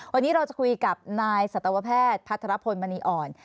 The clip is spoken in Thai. วันนี้เราจะคุยกับนายสัตวแพทย์พัทรพลมณีอ่อน